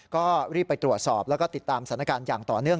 ก็รีบไปตรวจสอบแล้วก็ติดตามสถานการณ์อย่างต่อเนื่อง